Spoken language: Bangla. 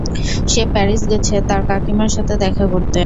সে প্যারিস গেছে তার কাকিমার সাথে দেখা করতে।